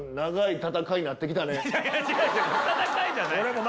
戦いじゃない。